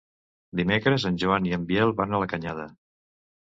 Dimecres en Joan i en Biel van a la Canyada.